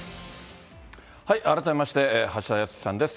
改めまして、橋田康さんです。